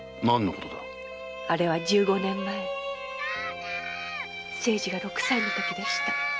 あれは十五年前清次が六歳のときでした。